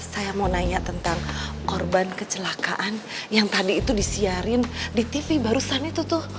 saya mau nanya tentang korban kecelakaan yang tadi itu disiarin di tv barusan itu tuh